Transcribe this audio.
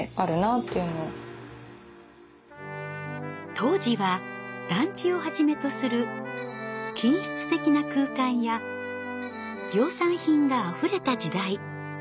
当時は団地をはじめとする均質的な空間や量産品があふれた時代。